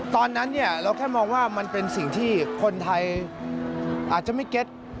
ตอนนั้นเราแค่มองว่ามันเป็นสิ่งที่คนไทยอาจจะไม่เก็ต